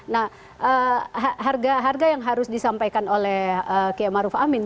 nah harga harga yang harus disampaikan oleh kiamaruf amin